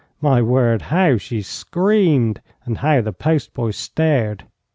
My word, how she screamed, and how the post boy stared!